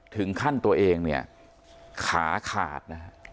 ถึงขั้นตัวเองเนี่ยขาขาดนะฮะ